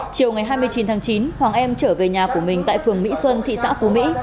chiều ngày hai mươi chín tháng chín hoàng em trở về nhà của mình tại phường mỹ xuân thị xã phú mỹ